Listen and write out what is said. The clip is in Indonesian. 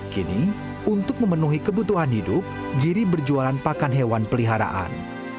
kini untuk memenuhi kebutuhan hidup giri berjualan pakan hewan peliharaan